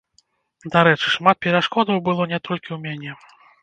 Дарэчы, шмат перашкодаў было не толькі ў мяне.